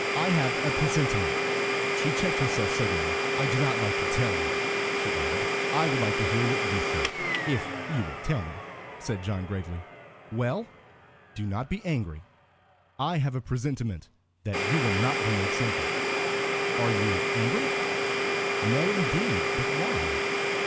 "I have a presentiment" she checked herself suddenly. "I do not like to tell you," she added. "I would like to hear what you think, if you will tell me," said John, gravely. "Well, do not be angry. I have a presentiment that you will not be made senator. Are you angry?" "No indeed. But why?"